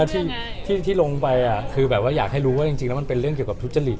ที่ที่ลงไปอ่ะคือแบบว่าอยากให้รู้ว่าอาจมันเป็นเรื่องเกี่ยวกับทุชฎฤทธิ์